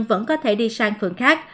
vẫn có thể đi sang phường khác